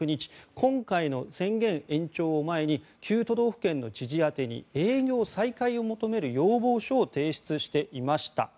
今回の宣言延長を前に９都道府県の知事宛てに営業再開を求める要望書を提出していました。